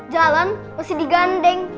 jalan masih digandeng